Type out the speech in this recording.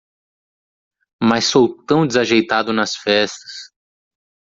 Mas sou tão desajeitado nas festas.